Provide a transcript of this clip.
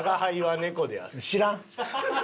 知らん。